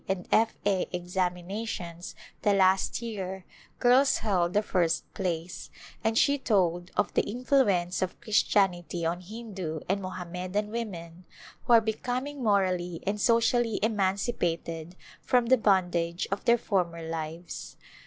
and F. A. examinations the last year girls held the first place, and she told of the in fluence of Christianity on Hindu and Mohammedan women who are becoming morally and socially emancipated from the bondage of their former lives.